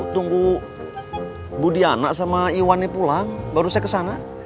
tunggu bu diana sama iwane pulang baru saya kesana